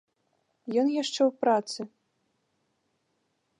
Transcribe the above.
Ён яшчэ ў працы.